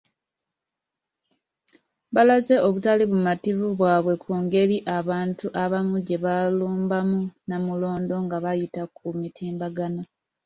Balaze obutali bumativu bwabwe ku ngeri abantu abamu gye balumbamu Namulondo nga bayita ku mitimbagano.